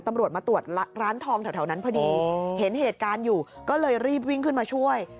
ตำรวจมาตรวจร้านทองแถวนั้นพอดีเห็นเหตุการณ์อยู่ก็เลยรีบวิ่งขึ้นมาช่วย